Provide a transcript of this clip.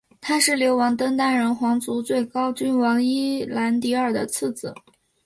他是流亡登丹人皇族最高君王伊兰迪尔的次子。